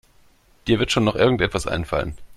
Dir wird schon noch irgendetwas einfallen.